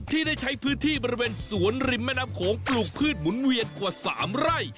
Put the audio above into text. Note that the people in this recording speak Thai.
ที่ได้ใช้พื้นที่บริเวณสวนริมแม่น้ำโขงปลูกพืชหมุนเวียนกว่า๓ไร่